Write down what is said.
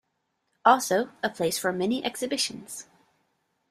Also a place for many exhibitions.